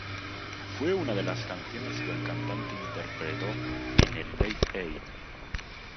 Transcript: Fue una de las canciones que el cantante interpretó en el Live Aid.